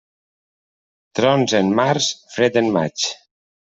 Trons en març, fred en maig.